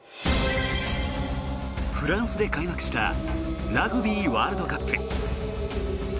フランスで開幕したラグビーワールドカップ。